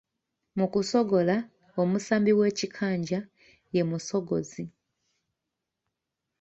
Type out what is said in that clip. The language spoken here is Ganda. Mu kusogola, omusambi w'ekikanja ye musogozi.